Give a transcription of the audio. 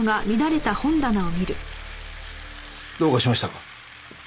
どうかしましたか？